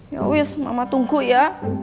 ya wis mama tungku ya